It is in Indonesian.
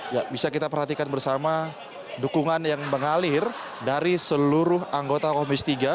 ya bisa kita perhatikan bersama dukungan yang mengalir dari seluruh anggota komisi tiga